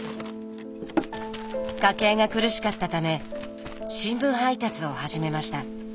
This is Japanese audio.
家計が苦しかったため新聞配達を始めました。